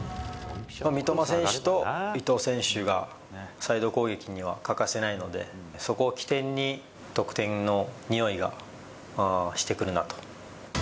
三笘選手と伊東選手がサイド攻撃には欠かせないので、そこを起点に、得点のにおいがしてくるなと。